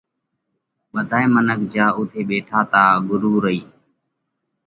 ٻڌائِي منک جيا اُوٿئہ ٻيٺا تا ڳرُو رئي